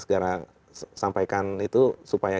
sampaikan itu supaya